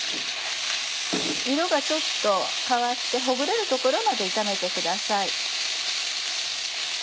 色がちょっと変わってほぐれるところまで炒めてください。